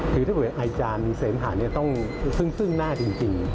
คือถ้าเกิดอายการเสมหาต้องซึ่งหน้าจริง